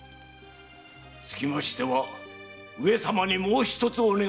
つきましては上様にもう一つお願いの儀が。